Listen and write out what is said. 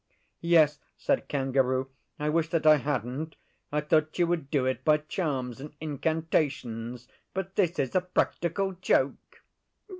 'Yes,' said Kangaroo. 'I wish that I hadn't. I thought you would do it by charms and incantations, but this is a practical joke.